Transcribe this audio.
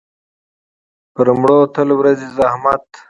پر مړو تل ورځي زحمت.